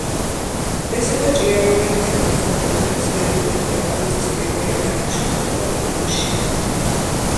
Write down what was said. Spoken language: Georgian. ეს იყო ჭიაურელის და მისი მეუღლის, ვერიკო ანჯაფარიძის პირველი თანამშრომლობა კინოში.